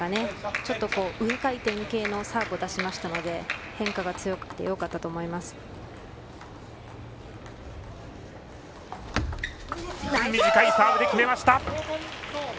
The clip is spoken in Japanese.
ちょっと上回転系のサーブを出しましたので変化が強くてよかったと思います。